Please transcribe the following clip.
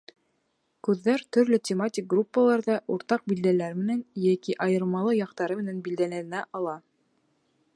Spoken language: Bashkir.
Күҙҙәр төрлө тематик группаларҙа уртаҡ билдәләр менән, йәки айырмалы яҡтары менән билдәләнә ала.